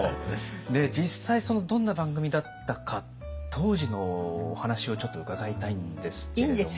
実際どんな番組だったか当時のお話をちょっと伺いたいんですけれども。